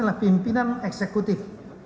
adalah pimpinan eksekutif